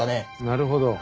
なるほど。